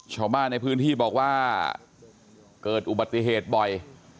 ชาวบ้านในพื้นที่บอกว่าเกิดอุบัติเหตุบ่อย